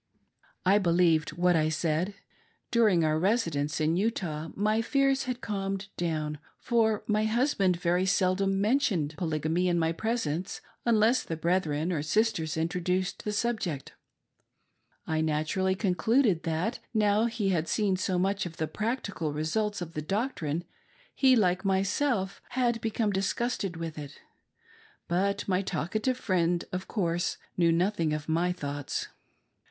I believed what I said. During our residence in Utah, my fears had calmed down, for my husband very seldom mentioned Polygamy in my presence, unless the brethren or sisters intro duced the subject. I naturally concluded that, now he had seen so much of the practical results of the doctrine, he, like myself, had become disgusted with it. But my talkative friend, of course, knew nothing of my thoughts.